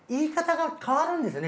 言い方が変わるんですね